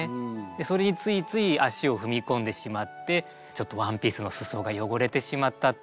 それについつい足を踏み込んでしまってちょっとワンピースの裾が汚れてしまったっていう。